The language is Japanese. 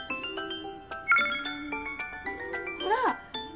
ほら！